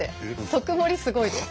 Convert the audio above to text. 特盛りすごいです。